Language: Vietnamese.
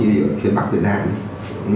như miền bắc việt nam